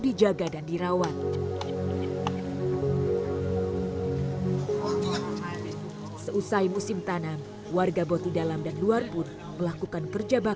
dia tersendiri di boti dengan budayanya unik sekali